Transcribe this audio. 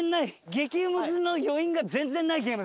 激ムズの余韻が全然ないゲーム。